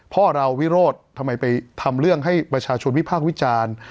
พ่อเราวิโรธทำไมไปทำเรื่องให้ประชาชนวิพากษ์วิจารณ์